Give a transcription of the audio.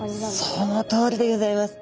そのとおりでギョざいます。